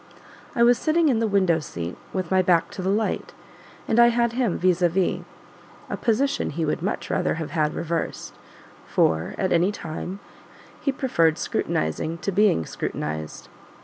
I was sitting in the window seat, with my back to the light, and I had him VIS A VIS; a position he would much rather have had reversed; for, at any time, he preferred scrutinizing to being scrutinized.